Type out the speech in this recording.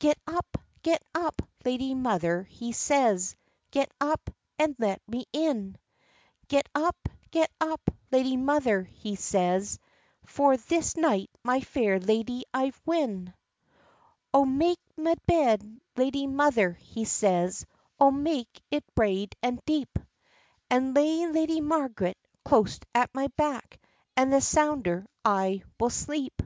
"Get up, get up, lady mother," he says, "Get up, and let me in!— Get up, get up, lady mother," he says, "For this night my fair ladye I've win. "O mak my bed, lady mother," he says, "O mak it braid and deep! And lay Lady Marg'ret close at my back, And the sounder I will sleep."